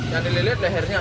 yang dililit lehernya